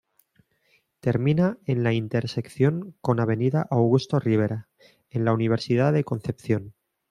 Termina en la intersección con Avenida Augusto Rivera, en la Universidad de Concepción.